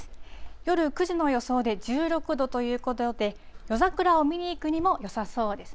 夜９時の予想で１６度ということで夜桜を見に行くにもよさそうです。